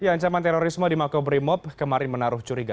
ancaman terorisme di makobrimob kemarin menaruh curiga